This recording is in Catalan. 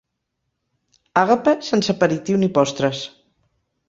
Àgape sense aperitiu ni postres.